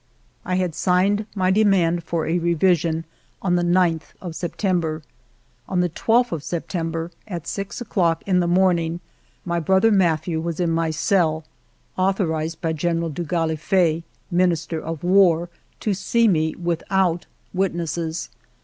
I had signed my demand for a revision on the 9th of September. On the 12th of September, at six o'clock in the morning, my brother Mathieu was in my cell, authorized by General de Galliffet, Minister of War, to see me without witnesses.